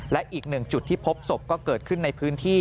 และอีกหนึ่งจุดที่พบศพก็เกิดขึ้นในพื้นที่